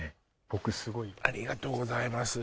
僕すごいありがとうございます